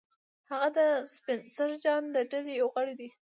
هغه د سپنسر جان د ډلې یو غړی دی